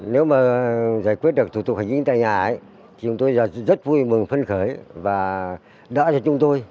nếu mà giải quyết được thủ tục hành chính tại nhà ấy chúng tôi rất vui mừng phân khởi và đã cho chúng tôi